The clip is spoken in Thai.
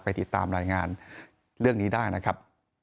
ติดตามรายงานเรื่องนี้ได้นะครับ